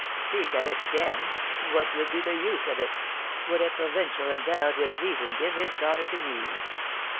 Speak of it again? What would be the use of it? Would a provincial endowed with reason give his daughter to me?